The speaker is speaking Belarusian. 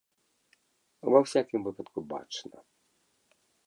Ва ўсякім выпадку, бачна.